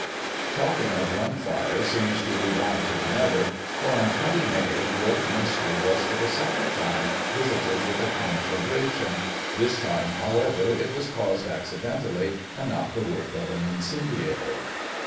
Talking of one fire seems to lead on to another, for on 20 May, York Minster was for the second time visited with a conflagration — this time, however, it was caused accidentally, and not the work of an incendiary.